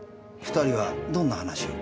２人はどんな話を？